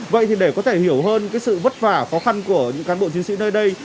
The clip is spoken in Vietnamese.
vậy thì để có thể hiểu hơn sự vất vả khó khăn của những cán bộ chiến sĩ nơi đây